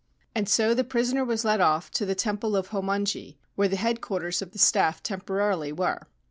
And so the prisoner was led off to the Temple of Hommonji, where the Headquarters of the Staff temporarily were.